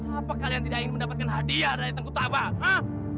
apa kalian tidak ingin mendapatkan hadiah dari tengku taba hah